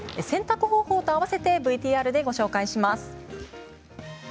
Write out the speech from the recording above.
洗濯方法と合わせてＶＴＲでご紹介します。